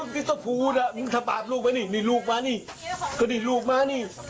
นี่เมื่อคืนที่ผ่านมา